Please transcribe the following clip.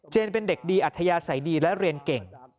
เป็นเด็กดีอัธยาศัยดีและเรียนเก่ง